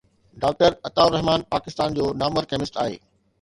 doctor Ataur Rahman Pakistan جو نامور chemist آهي